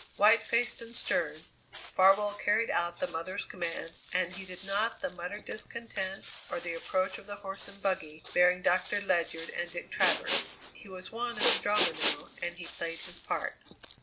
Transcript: White faced and stern, Farwell carried out the mother's commands and heeded not the muttered discontent or the approach of the horse and buggy bearing Doctor Ledyard and Dick Travers. He was one in the drama now and he played his part.